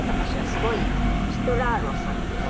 すごいストラーロさんっていう方？